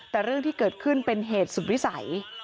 แต่เรื่องที่เกิดขึ้นเป็นเหตุสุดวิสัย